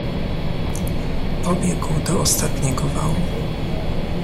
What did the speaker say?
"Pobiegł do ostatniego wału."